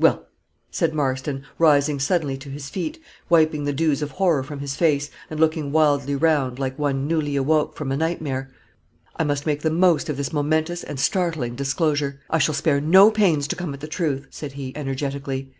"Well," said Marston, rising suddenly to his feet, wiping the dews of horror from his face, and looking wildly round, like one newly awoke from a nightmare, "I must make the most of this momentous and startling disclosure. I shall spare no pains to come at the truth," said he, energetically.